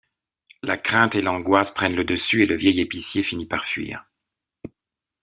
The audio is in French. La crainte et l'angoisse prennent le dessus et le vieil épicier finit par fuir.